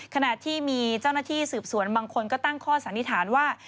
ขณะที่มีเจ้าหน้าที่สืบสวนบางคนก็ตั้งข้อสันนิษฐานว่า